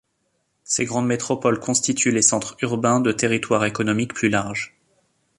Ces grandes métropoles constituent les centres urbains de territoires économiques plus larges.